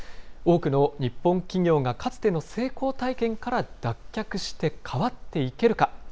多くの日本企業がかつての成功体験から脱却して変わっていけるか。